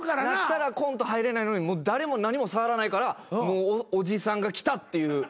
なったらコント入れないのに誰も何も触らないからおじさんが来たっていう。